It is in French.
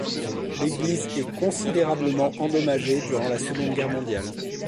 L’église est considérablement endommagée durant la Seconde Guerre mondiale.